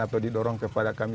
atau didorong kepada kami